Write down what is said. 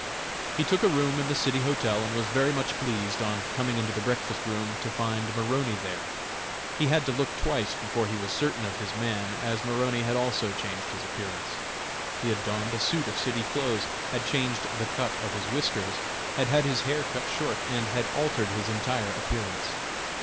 He took a room in the City Hotel, and was very much pleased, on coming into the breakfast room, to find Maroney there. He had to look twice before he was certain of his man, as Maroney had also changed his appearance. He had donned a suit of city clothes, had changed the cut of his whiskers, had had his hair cut short, and had altered his entire appearance.